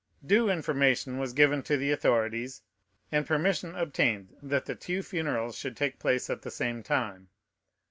Due information was given to the authorities, and permission obtained that the two funerals should take place at the same time.